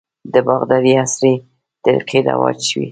د باغدارۍ عصري طریقې رواج شوي.